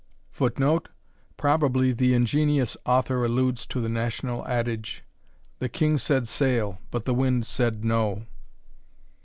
[Footnote: Probably the ingenious author alludes to the national adage: The king said sail, But the wind said no.